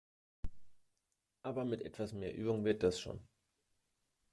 Aber mit etwas mehr Übung wird das schon!